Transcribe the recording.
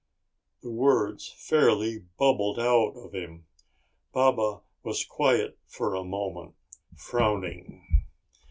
The words fairly bubbled out of him. Baba was quiet for a moment, frowning.